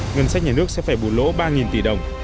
ngân sách nhà nước sẽ phải bù lỗ ba tỷ đồng